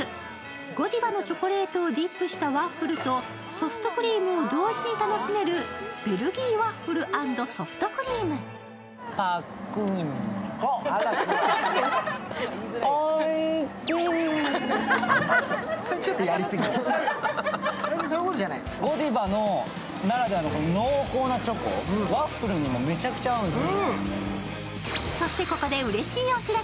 ゴディバのチョコレートをディップしたワッフルとソフトクリームを同時に楽しめるベルギーワッフル＆ソフトクリリームゴディバならではの濃厚なチョコ、ワッフルにもめちゃくちゃ合うんです。